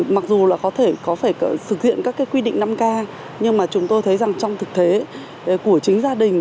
mặc dù có phải thực hiện các quy định năm k nhưng mà chúng tôi thấy rằng trong thực thế của chính gia đình